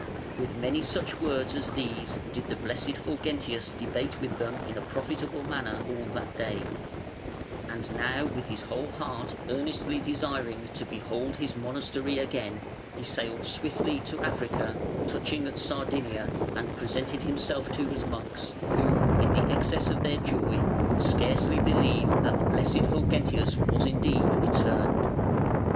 With many such words as these did the blessed Fulgentius debate with them in a profitable manner all that day, and now with his whole heart earnestly desiring to behold his monastery again, he sailed swiftly to Africa, touching at Sardinia, and presented himself to his monks, who, in the excess of their joy, could scarcely believe that the blessed Fulgentius was indeed returned".